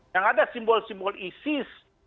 yang ada simbol simbol isis